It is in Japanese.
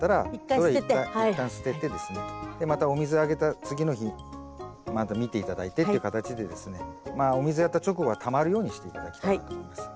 それは一旦捨ててですねまたお水あげた次の日また見て頂いてっていう形でですねお水やった直後はたまるようにして頂きたいと思います。